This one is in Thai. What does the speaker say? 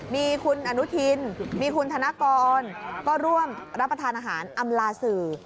มีคุณอนุทินมีคุณธนกรก็ร่วมรับประทานอาหารอำลาสื่อ